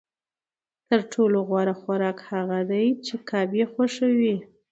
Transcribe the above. تر ټولو غوره خوراک هغه دی چې کب یې خوښوي